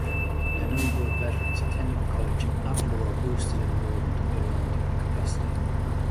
The number of veterans attending the college after the war boosted enrollment beyond capacity.